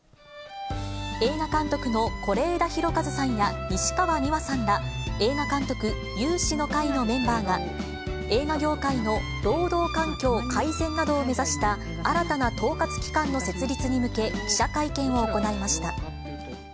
映画監督の是枝裕和さんや西川美和さんら、映画監督有志の会のメンバーが、映画業界の労働環境改善などを目指した、新たな統括機関の設立に向け、記者会見を行いました。